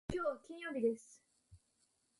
きょうは金曜日です。